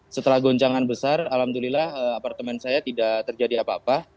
setelah goncangan besar alhamdulillah apartemen saya tidak terjadi apa apa